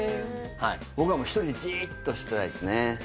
僕はもう１人でじーっとしてたいですね。